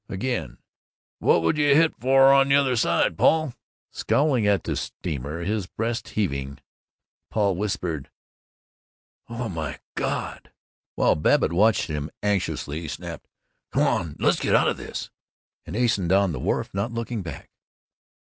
Again, "What would you hit for on the other side, Paul?" Scowling at the steamer, his breast heaving, Paul whispered, "Oh, my God!" While Babbitt watched him anxiously he snapped, "Come on, let's get out of this," and hastened down the wharf, not looking back.